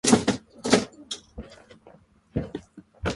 福岡県筑紫野市